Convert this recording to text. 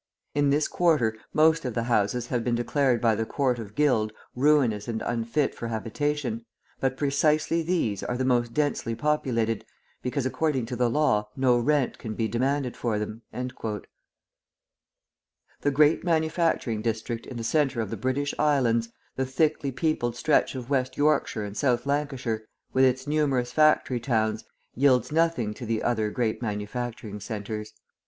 In this quarter most of the houses have been declared by the Court of Guild ruinous and unfit for habitation, but precisely these are the most densely populated, because, according to the law, no rent can be demanded for them." The great manufacturing district in the centre of the British Islands, the thickly peopled stretch of West Yorkshire and South Lancashire, with its numerous factory towns, yields nothing to the other great manufacturing centres.